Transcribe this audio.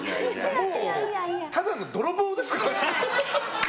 もう、ただの泥棒ですから。